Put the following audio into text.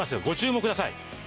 ご注目ください。